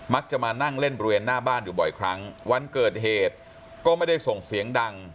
จะมานั่งเล่นบริเวณหน้าบ้านอยู่บ่อยครั้งวันเกิดเหตุก็ไม่ได้ส่งเสียงดัง